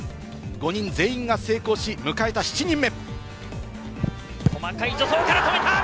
５人全員が成功し、迎えた７人目。